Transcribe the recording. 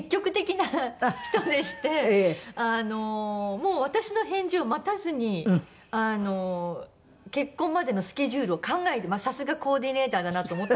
もう私の返事を待たずに結婚までのスケジュールを考えてさすがコーディネーターだなと思ったんですけども。